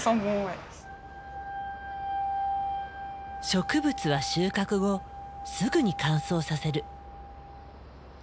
植物は収穫後すぐに乾燥させる。